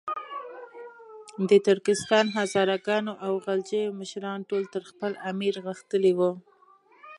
د ترکستان، هزاره ګانو او غلجیو مشران ټول تر خپل امیر غښتلي وو.